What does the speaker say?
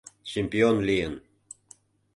Чемпион лийын.